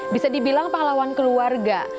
bisa dibilang pengalaman keluarga